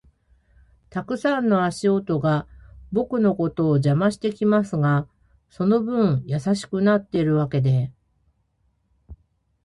たくさんの足跡が僕のことを邪魔してきますが、その分優しくなってるわけで